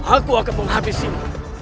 aku akan menghabisimu